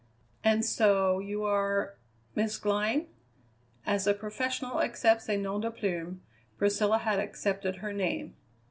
"And so you are Miss Glynn?" As a professional accepts a non de plume, Priscilla had accepted her name.